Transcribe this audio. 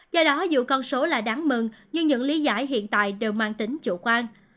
do đó dù con số là đáng mừng nhưng những lý giải hiện tại đều mang tính chủ quan